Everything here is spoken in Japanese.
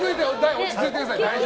落ち着いてください。